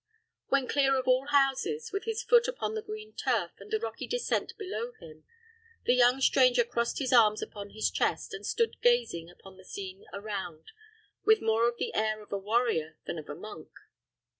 When clear of all houses, with his foot upon the green turf, and the rocky descent below him, the young stranger crossed his arms upon his chest, and stood gazing upon the scene around with more of the air of a warrior than of a monk.